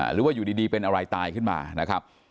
หรือว่าอยู่ดีเป็นอะไรตายขึ้นมานะครับ